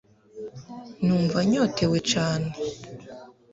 numva nyotewe cane